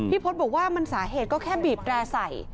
พจน์บอกว่ามันสาเหตุก็แค่บีบแร่ใส่